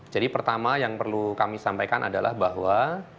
jadi pertama yang perlu kami sangkaikan adalah bahwa